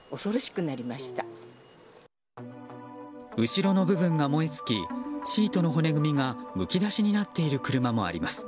後ろの部分が燃え尽きシートの骨組みがむき出しになっている車もあります。